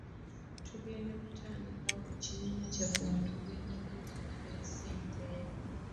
Tugenda kutandikawo ekibiina kyaffe nga tweterekera ssente.